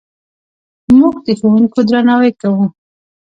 موږ د ښوونکو درناوی کوو.